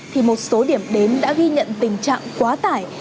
thì một số điểm đến đã ghi nhận tình trạng quá tải